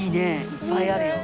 いっぱいあるよ。